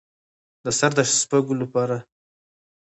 د سر د سپږو لپاره د تنباکو اوبه وکاروئ